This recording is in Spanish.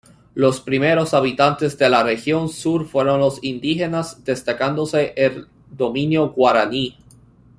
Los primeros habitantes de la región Sur fueron los indígenas, destacándose el dominio guaraní.